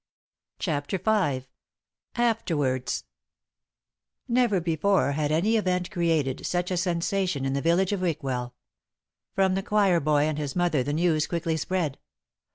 CHAPTER V AFTERWARDS Never before had any event created such a sensation in the village of Rickwell. From the choir boy and his mother the news quickly spread.